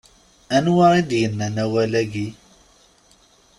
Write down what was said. Anwa i d-yannan awal-agi?